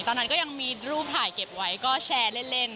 ตอนนั้นก็ยังมีรูปถ่ายเก็บไว้ก็แชร์เล่น